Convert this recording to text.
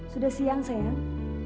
sudah siang sayang